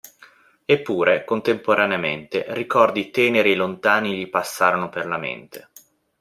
Eppure, contemporaneamente, ricordi teneri e lontani gli passarono per la mente.